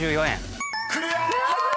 ［クリア！］